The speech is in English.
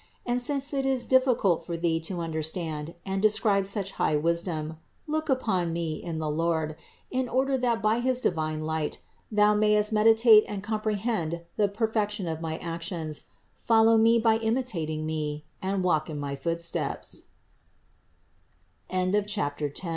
And since it is difficult for thee to understand and describe such high wisdom, look upon me in the Lord, in order that by his divine light, thou mayest mediate and comprehend the perfection of my actions; follow me by imitating me, and walk in m